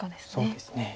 そうですね。